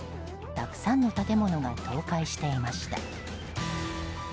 たくさんの建物が倒壊していました。